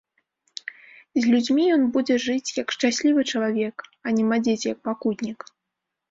З людзьмі ён будзе жыць, як шчаслівы чалавек, а не мадзець, як пакутнік.